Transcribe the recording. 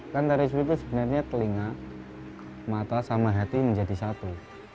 kan terorisme itu sebenarnya telinga mata sama hati menjadi satu